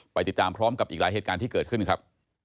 ไปติดตามพร้อมกับอีกหลายเหตุการณ์ที่เกิดขึ้นครับ